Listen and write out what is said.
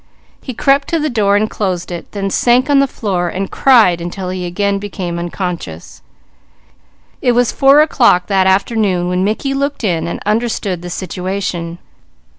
He crept to the door and closed it, then sank on the floor and cried until he again became unconscious. It was four o'clock that afternoon when Mickey looked in and understood the situation.